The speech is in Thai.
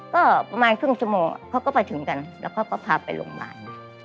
ก็ประมาณครึ่งชั่วโมงเขาก็ไปถึงกันแล้วเขาก็พาไปโรงพยาบาล